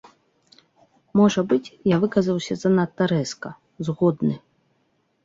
Можа быць, я выказаўся занадта рэзка, згодны.